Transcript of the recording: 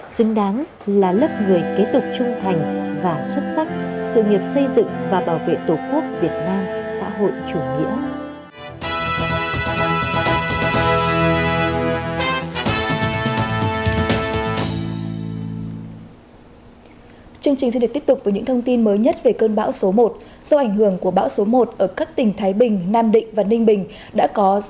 xứng đáng là lớp người kế tục trung thành và xuất sắc sự nghiệp xây dựng và bảo vệ tổ quốc việt nam xã hội chủ nghĩa